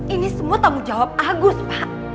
ini semua tanggung jawab agus pak